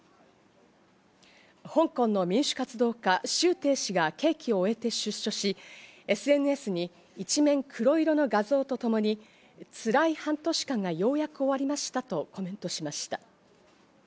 香港の民主活動家、シュウ・テイ氏が刑期を終えて出所し、ＳＮＳに一面黒色の画像と共に、つらい半年間がようやく終わりましたとコメントしました。